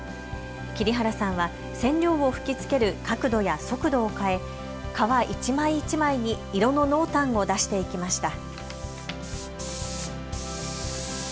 桐原さんは染料を吹きつける角度や速度を変え革一枚一枚に色の濃淡を出していきました。